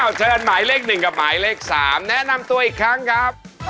เชิญหมายเลข๑กับหมายเลข๓แนะนำตัวอีกครั้งครับ